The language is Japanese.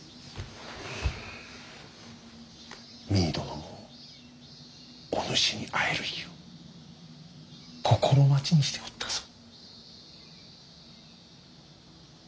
実衣殿もおぬしに会える日を心待ちにしておったぞ。